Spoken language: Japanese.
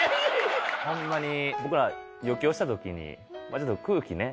ホンマに僕ら余興した時にちょっと空気ね。